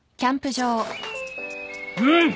うん！